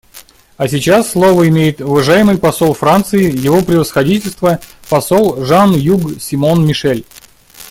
А сейчас слово имеет уважаемый посол Франции — Его Превосходительство посол Жан-Юг Симон-Мишель.